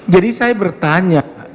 jadi saya bertanya